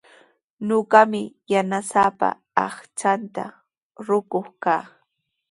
Ñuqami yanasaapa aqchanta rukuq kaa.